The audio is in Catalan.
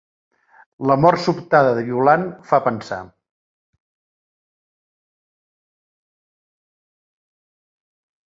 La mort sobtada de Violant fa pensar.